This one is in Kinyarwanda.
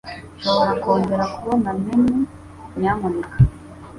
Nshobora kongera kubona menu, nyamuneka?